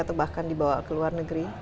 atau bahkan dibawa ke luar negeri